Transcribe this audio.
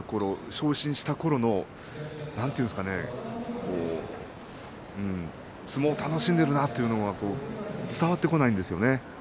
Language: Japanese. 昇進したころのなんていうんですかね相撲を楽しんでいるなというのが伝わってこないんですよね。